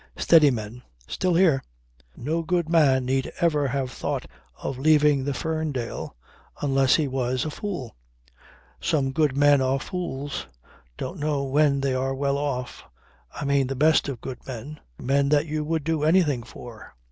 Steady men. Still here. No good man need ever have thought of leaving the Ferndale unless he were a fool. Some good men are fools. Don't know when they are well off. I mean the best of good men; men that you would do anything for.